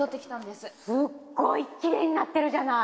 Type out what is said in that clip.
すっごいきれいになってるじゃない！